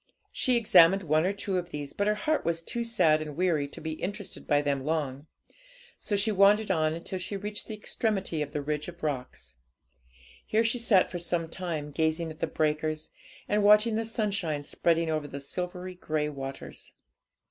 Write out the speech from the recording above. She examined one or two of these, but her heart was too sad and weary to be interested by them long, so she wandered on until she reached the extremity of the ridge of rocks. Here she sat for some time, gazing at the breakers, and watching the sunshine spreading over the silvery grey waters.